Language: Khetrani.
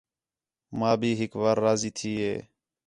ماں بھی ہِک وار راضی تھی ہے